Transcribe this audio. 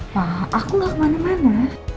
pak aku nggak kemana mana